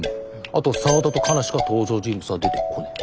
あと沢田とカナしか登場人物が出てこねえ。